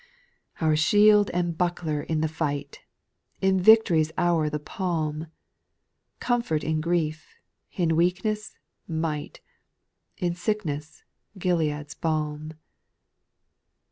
5. Our shield and buckler in the fight 1 In victory's hour the palm ! Comfort in grief! in weakness— might! In sickness — Gilead's balm.